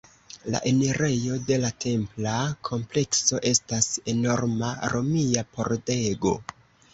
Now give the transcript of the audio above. La enirejo de la templa komplekso estas enorma romia pordego.